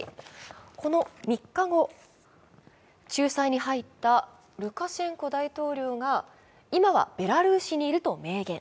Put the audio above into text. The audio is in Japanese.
この３日後、仲裁に入ったルカシェンコ大統領が今はベラルーシにいると明言。